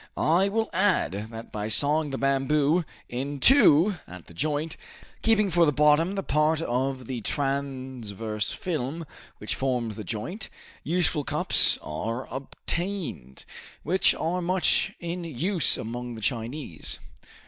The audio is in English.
I will add that by sawing the bamboo in two at the joint, keeping for the bottom the part of the transverse film which forms the joint, useful cups are obtained, which are much in use among the Chinese.